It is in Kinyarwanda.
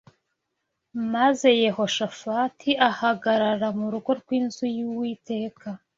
Maze Yehoshafati ahagarara mu rugo rw’inzu y’Uwiteka